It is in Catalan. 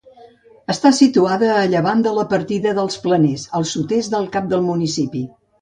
Està situada a llevant de la partida dels Planers, al sud-est del cap del municipi.